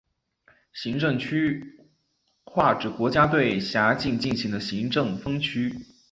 行政区划指国家对辖境进行的行政分区。